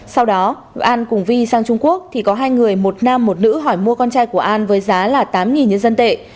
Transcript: sau đó an cùng vi sang trung quốc thì có hai người một nam một nữ hỏi mua con trai của an với giá là tám nhân dân tệ